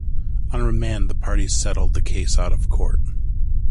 On remand, the parties settled the case out of court.